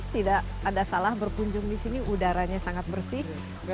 tidak ada salah berkunjung di sini udaranya sangat bersih